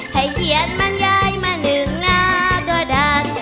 ให้เขียนมันย้ายมาหนึ่งหน้ากระดาษ